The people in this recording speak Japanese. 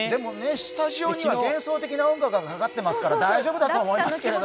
スタジオには幻想的な音楽がかかっていますから大丈夫だと思います。